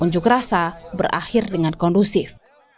unjuk rasa berakhir dengan kondusif